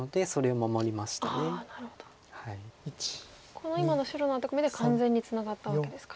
この今の白のアテコミで完全にツナがったわけですか。